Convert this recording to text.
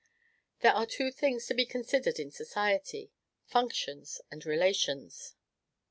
There are two things to be considered in society FUNCTIONS and RELATIONS.